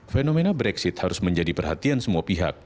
fenomena brexit harus menjadi perhatian semua pihak